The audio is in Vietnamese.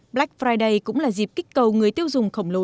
black friday cũng là dịp kích cầu người tiêu dùng khổng lồ